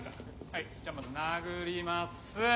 はいじゃあまず殴ります。